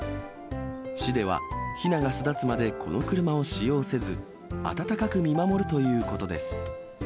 市では、ひなが巣立つまでこの車を使用せず、温かく見守るということです。